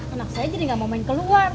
anak saya jadi gak mau main keluar